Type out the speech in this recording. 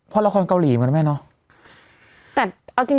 พอละครัวเกาหลีก็ได้ไหมเนาะ